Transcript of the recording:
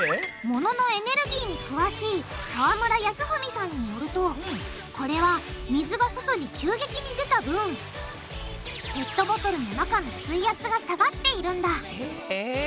物のエネルギーに詳しい川村康文さんによるとこれは水が外に急激に出た分ペットボトルの中の水圧が下がっているんだへぇ。